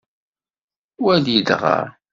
Wali dɣa.